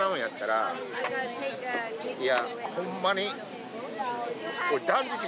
いやホンマに。